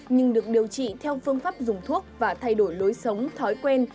nhưng được điều trị theo phương pháp dùng thuốc và thay đổi lối sống thói quen